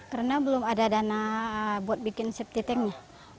karena belum ada dana buat bikin septiknya